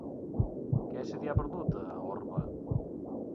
Què se t'hi ha perdut, a Orba?